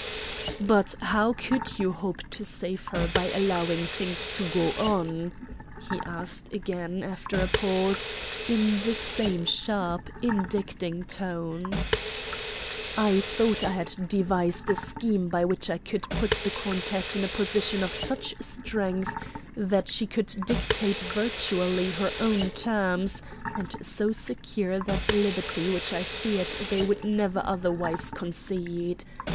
"But how could you hope to save her by allowing things to go on?" he asked again after a pause in the same sharp, indicting tone. "I thought I had devised a scheme by which I could put the countess in a position of such strength that she could dictate virtually her own terms, and so secure that liberty which I feared they would never otherwise concede.